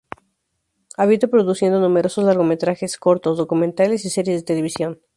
Habiendo producido numerosos largometrajes, cortos, documentales y series de televisión.